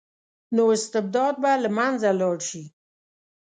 نو استبداد به له منځه لاړ شي.